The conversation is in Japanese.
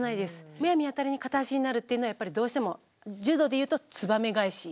むやみやたらに片足になるっていうのはやっぱりどうしても柔道でいうとつばめ返し。